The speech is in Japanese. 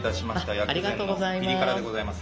薬膳のピリ辛でございます。